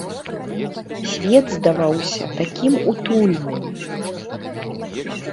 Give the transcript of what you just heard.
Свет здаваўся такім утульным.